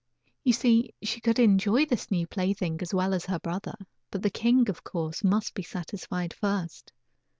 You see, she could enjoy this new plaything as well as her brother; but the king, of course, must be satisfied first.